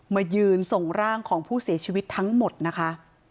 มายืนส่งร่างของผู้เสียชีวิตทั้งหมดนะคะ